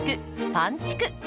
「パンちく」。